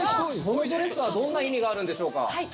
このドレスはどんな意味があるんでしょうか？